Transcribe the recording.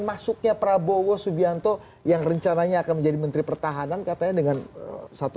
masuknya prabowo subianto yang rencananya akan menjadi menteri pertahanan katanya dengan satu